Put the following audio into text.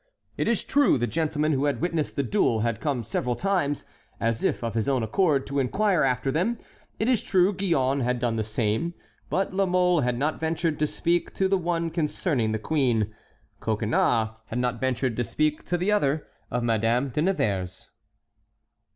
It is true the gentleman who had witnessed the duel had come several times, as if of his own accord, to inquire after them; it is true Gillonne had done the same; but La Mole had not ventured to speak to the one concerning the queen; Coconnas had not ventured to speak to the other of Madame de Nevers.